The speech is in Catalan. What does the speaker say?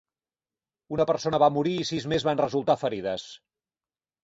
Una persona va morir i sis més van resultar ferides.